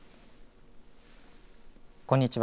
こんにちは。